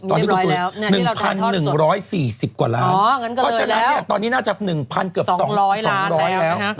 ตอนที่กดเปิด๑๑๔๐กว่าล้านพอชนะนี่น่าจะ๑๒๐๐ล้านแล้ว